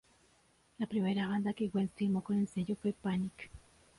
La primera banda que Wentz firmó con el sello fue Panic!